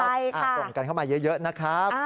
ส่งกันเข้ามาเยอะนะครับ